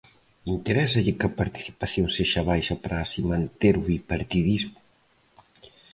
Interésalles que a participación sexa baixa para así manter o bipartidismo.